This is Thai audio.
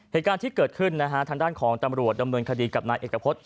เหตุการณ์ที่เกิดขึ้นนะฮะทางด้านของตำรวจดำเนินคดีกับนายเอกพฤษ